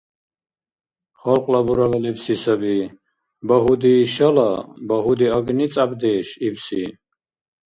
Халкьла бурала лебси саби «Багьуди — шала, багьуди агни — цӀябдеш» ибси.